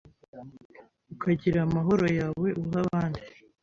ukagira amahoro yawe uha abandi